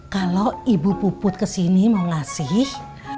kalau ibu puput kesini mau ngasih